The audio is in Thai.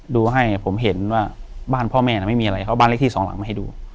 ดูให้ผมเห็นว่าบ้านพ่อแม่ไม่มีอะไรเขาเอาบ้านเลขที่สองหลังมาให้ดู